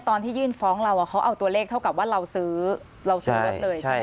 ตอนที่ยื่นฟ้องเราเขาเอาตัวเลขเท่ากับว่าเราซื้อเราซื้อรถเลยใช่ไหม